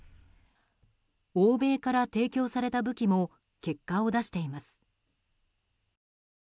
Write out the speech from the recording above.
欧米から提供された武器も結果を出しています。